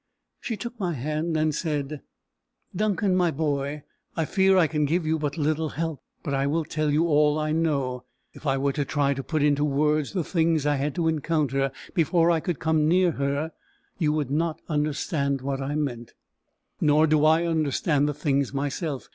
She took my hand, and said, "Duncan, my boy, I fear I can give you but little help; but I will tell you all I know. If I were to try to put into words the things I had to encounter before I could come near her, you would not understand what I meant. Nor do I understand the things myself.